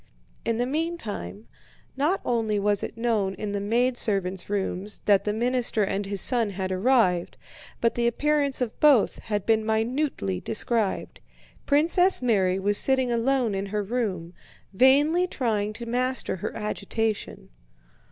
In the meantime, not only was it known in the maidservants' rooms that the minister and his son had arrived, but the appearance of both had been minutely described. Princess Mary was sitting alone in her room, vainly trying to master her agitation.